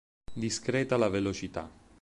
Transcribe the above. Discreta la velocità.